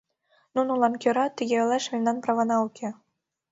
Нунылан кӧра тыге ойлаш мемнан правана уке!